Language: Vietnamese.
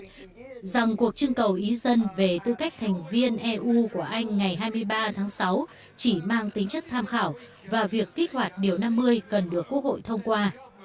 thủ tướng anh theresa may nói rằng cuộc trưng cầu ý dân về tư cách thành viên eu của anh ngày hai mươi ba tháng sáu chỉ mang tính chất tham khảo và việc kích hoạt điều năm mươi cần được quốc hội thông qua